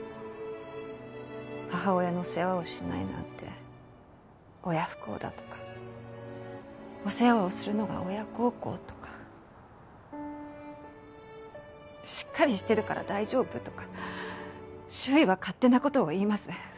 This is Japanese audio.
母親の世話をしないなんて親不孝だとかお世話をするのが親孝行とかしっかりしてるから大丈夫とか周囲は勝手な事を言います。